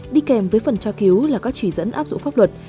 đi kèm với phần tra cứu là các chỉ dẫn áp dụng pháp luật